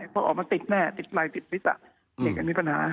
เพราะออกมาติดแม่ติดลายติดวิสัยเด็กกันมีปัญหา